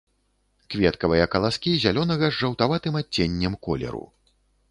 Кветкавыя каласкі зялёнага з жаўтаватым адценнем колеру.